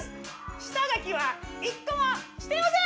下書きは１個もしていません。